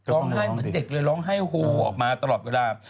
ร้องไห้เหมือนเด็กเลยร้องไห้โฮออกมาตลอดเวลา